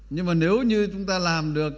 nhưng mà nếu như chúng ta làm được